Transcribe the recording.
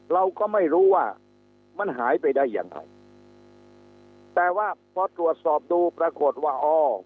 เราก็ไม่รู้ว่ามันหายไปได้ยังไงแต่ว่าพอตรวจสอบดูปรากฏว่าอ๋อ